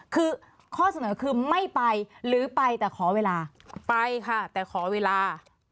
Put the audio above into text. คือข้อเสนอคือไม่ไปหรือไปแต่ขอเวลาไปค่ะแต่ขอเวลา